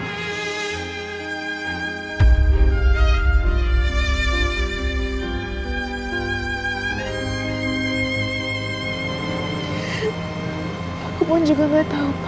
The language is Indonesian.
aku pun juga gak tau pa